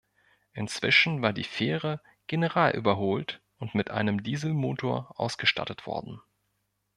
Inzwischen war die Fähre generalüberholt und mit einem Dieselmotor ausgestattet worden.